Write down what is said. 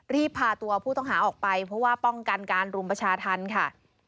พาตัวผู้ต้องหาออกไปเพราะว่าป้องกันการรุมประชาธรรมค่ะ